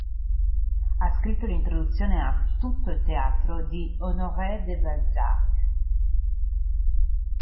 Ha scritto l'introduzione a Tutto il teatro di Honoré de Balzac.